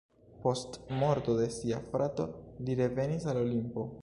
Post morto de sia frato li revenis al Olimpo.